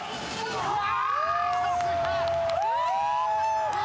うわ！